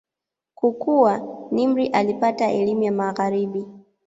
Kukua, Nimr alipata elimu ya Magharibi.